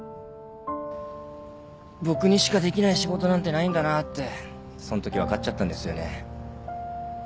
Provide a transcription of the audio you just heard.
僕にしかできない仕事なんてないんだなってそんとき分かっちゃったんですよね。